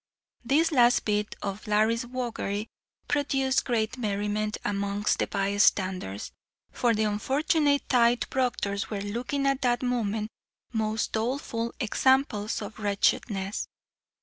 This last bit of Larry's waggery produced great merriment amongst the by standers, for the unfortunate tithe proctors were looking at that moment most doleful examples of wretchedness.